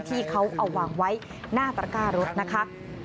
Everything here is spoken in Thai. ที่เขาเอาวางไว้หน้าตระก้ารถนะคะ